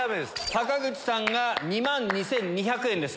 坂口さんが２万２２００円です。